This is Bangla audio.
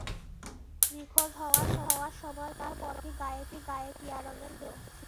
নিখোঁজ হওয়ার সময় তাঁর পরনে লুঙ্গি, গায়ে টিয়া রঙের গেঞ্জি ছিল।